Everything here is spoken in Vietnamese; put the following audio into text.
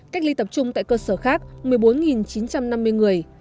cách ly tập trung tại cơ sở khác một mươi bốn chín trăm năm mươi người